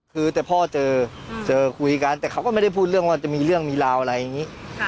คือแต่พ่อเจอเจอคุยกันแต่เขาก็ไม่ได้พูดเรื่องว่าจะมีเรื่องมีราวอะไรอย่างนี้